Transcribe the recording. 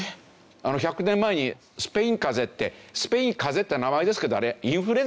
１００年前にスペイン風邪ってスペイン風邪って名前ですけどあれインフルエンザなんですね。